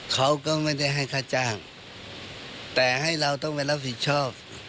เขาก็ไม่ได้ให้ค่าจ้างแต่ให้เราต้องไปรับผิดชอบ